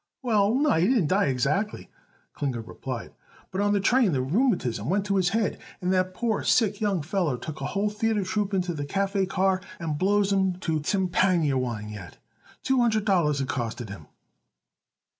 "Well, no, he didn't die exactly," Klinger replied; "but on the train the rheumatism went to his head, and that poor, sick young feller took a whole theayter troupe into the café car and blows 'em to tchampanyer wine yet. Two hundred dollars it costed him."